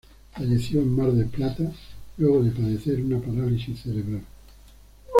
Falleció en Mar del Plata, luego de padecer una parálisis cerebral.